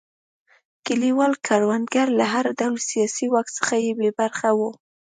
کلیوال کروندګر له هر ډول سیاسي واک څخه بې برخې وو.